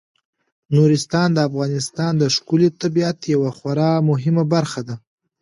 نورستان د افغانستان د ښکلي طبیعت یوه خورا مهمه برخه ده.